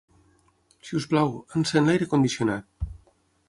Si us plau, encén l'aire condicionat.